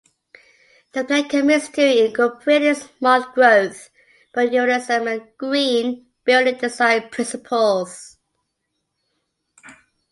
The plan commits to incorporating smart growth, new urbanism and "green" building design principles.